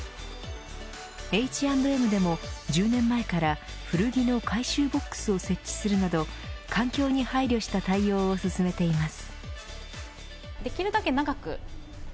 Ｈ＆Ｍでも１０年前から古着の回収ボックスを設置するなど環境に配慮した対応を進めています。